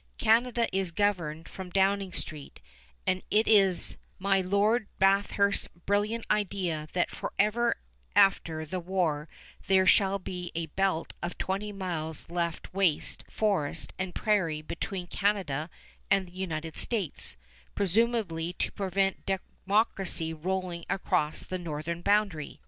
Canada is governed from Downing Street, and it is my Lord Bathurst's brilliant idea that forever after the war there shall be a belt of twenty miles left waste forest and prairie between Canada and the United States, presumably to prevent democracy rolling across the northern boundary.